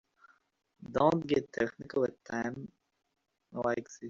Don't get technical at a time like this.